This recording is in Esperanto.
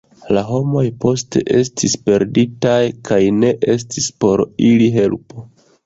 La homoj poste estis perditaj kaj ne estis por ili helpo.